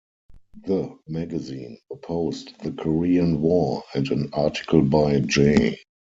The magazine opposed the Korean War, and an article by J.